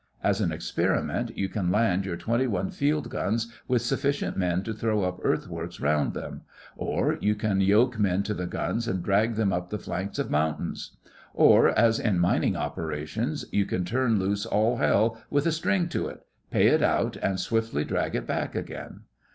As an experiment you can land your twenty one field guns with sufficient men to throw up earthworks round them; or you can yoke men to the guns and drag them up the flanks of mountains. Or, as in mining operations, you can turn loose all hell with a string to it—pay it out and swiftly drag it back again.